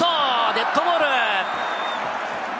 デッドボール。